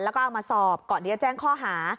แล้วก็เอามาสอบก่อนที่จะแจ้งข้อหา